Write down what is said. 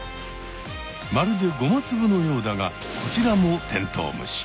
まるでゴマつぶのようだがこちらもテントウムシ。